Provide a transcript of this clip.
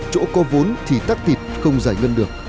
chỗ có vốn thì tắc tịch không giải ngân được